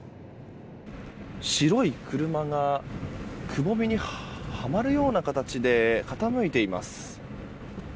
白い車がくぼみにはまるような形で傾いています。